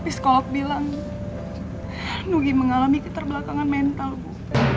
tapi psikolog bilang nugi mengalami keterbelakangan mental bu